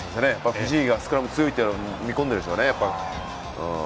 フィジーがスクラム強いっていうのを見込んでいるんでしょうね。